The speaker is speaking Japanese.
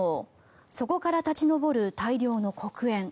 そこから立ち上る大量の黒煙。